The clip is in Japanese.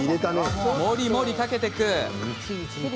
もりもりかけていく。